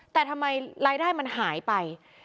แต่ทำไมรายได้มันหายไป